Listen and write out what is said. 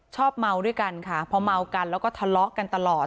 เมาด้วยกันค่ะพอเมากันแล้วก็ทะเลาะกันตลอด